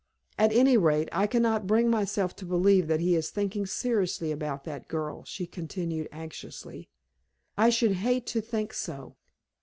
"At any rate, I cannot bring myself to believe that he is thinking seriously about that girl," she continued, anxiously. "I should hate to think so!"